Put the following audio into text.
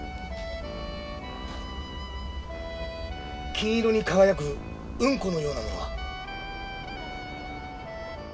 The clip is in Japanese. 金色に輝くウンコのようなものが。